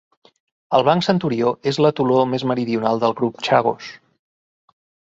El Banc Centurió és l'atol.ló més meridional del grup Chagos.